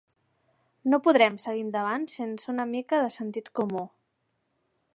No podrem seguir endavant sense un mica de sentit comú.